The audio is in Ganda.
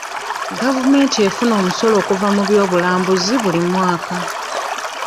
Gavumenti efuna omusolo okuva mu byobulambuzi buli mwaka.